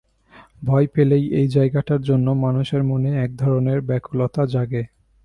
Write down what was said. ভয় পেলেই এই জায়গাটার জন্যে মানুষের মনে এক ধরনের ব্যাকুলতা জাগে।